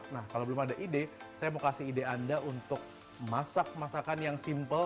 nah kalau belum ada ide saya mau kasih ide anda untuk masak masakan yang simple